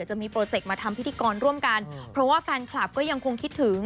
จะมีโปรเจคมาทำพิธีกรร่วมกันเพราะว่าแฟนคลับก็ยังคงคิดถึง